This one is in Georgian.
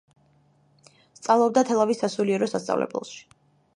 სწავლობდა თელავის სასულიერო სასწავლებელში.